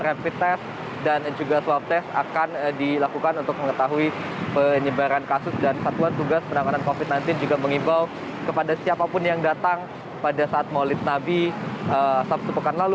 rapid test dan juga swab test akan dilakukan untuk mengetahui penyebaran kasus dan satuan tugas penanganan covid sembilan belas juga mengimbau kepada siapapun yang datang pada saat maulid nabi sabtu pekan lalu